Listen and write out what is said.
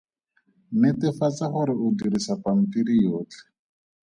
Netefatsa gore o dirisa pampiri yotlhe.